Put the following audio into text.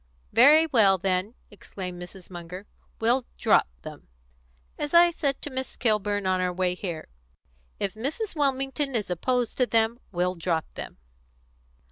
"Very well, then," exclaimed Mrs. Munger, "we'll drop them. As I said to Miss Kilburn on our way here, 'if Mrs. Wilmington is opposed to them, we'll drop them.'"